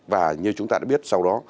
và như chúng ta đã biết sau đó